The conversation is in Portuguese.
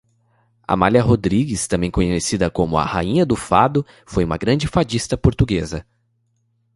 Amália Rodrigues, também conhecida como "a rainha do fado", foi uma grande fadista portuguesa.